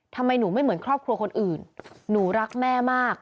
ทำไมหนูไม่เหมือนครอบครัวคนอื่นหนูรักแม่มาก